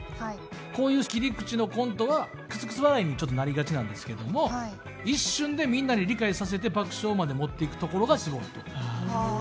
こういう切り口のコントはくすくす笑いになりがちなんですけども一瞬でみんなに理解させて爆笑までもっていくところがすごいと。